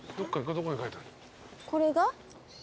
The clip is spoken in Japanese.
これが？